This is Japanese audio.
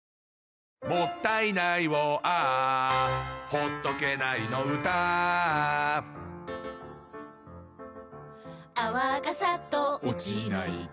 「もったいないをＡｈ」「ほっとけないの唄Ａｈ」「泡がサッと落ちないと」